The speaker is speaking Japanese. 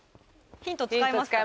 ヒント使いますか？